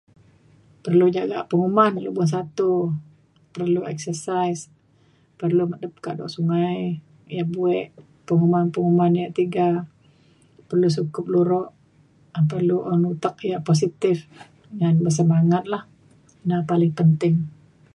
perlu jagak penguman lubun satu. perlu exercise perlu medep kado sungai yak buek penguman penguman yak tiga perlu sukup luro um perlu un utek yak positif ngan bersemangat lah na paling penting